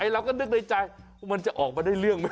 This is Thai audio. เราก็นึกในใจว่ามันจะออกมาได้เรื่องไหม